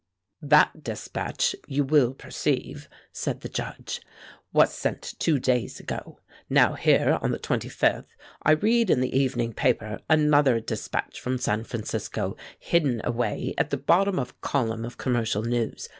"That dispatch, you will perceive," said the Judge, "was sent two days ago. Now here, on the 25th, I read in the evening paper another dispatch from San Francisco, hidden away at the bottom of a column of commercial news.